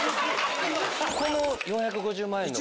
この４５０万円の子。